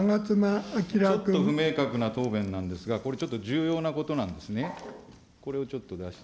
ちょっと不明確な答弁なんですが、これちょっと重要なことなんですね。